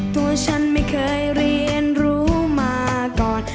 ตัวฉันไม่เคยเรียนรู้มาก่อน